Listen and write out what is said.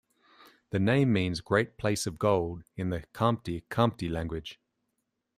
The name means "Great Place of Gold" in the Hkamti Khamti language.